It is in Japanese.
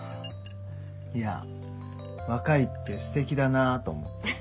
いや若いってすてきだなあと思って。